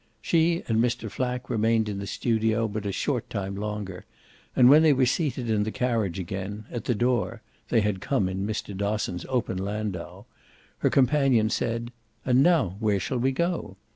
She and Mr. Flack remained in the studio but a short time longer, and when they were seated in the carriage again, at the door they had come in Mr. Dosson's open landau her companion said "And now where shall we go?"